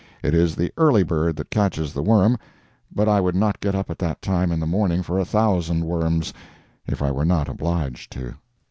It is the early bird that catches the worm, but I would not get up at that time in the morning for a thousand worms, if I were not obliged to.